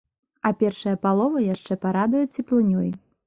А першая палова яшчэ парадуе цеплынёй.